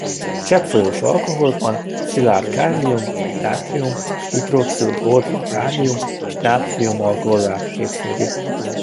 Cseppfolyós alkoholokban szilárd kálium- vagy nátrium-hidroxidot oldva kálium- és nátrium-alkoholát képződik.